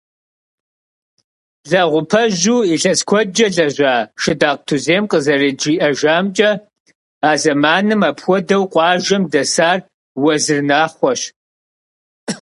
Лэгъупэжьу илъэс куэдкӏэ лэжьа Шыдакъ Тузем къызэрыджиӏэжамкӏэ, а зэманым апхуэдэу къуажэм дэсар Уэзыр Нахъуэщ.